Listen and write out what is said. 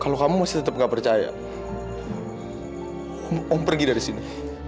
kalau kamu masih tetap gak percaya kamu pergi dari sini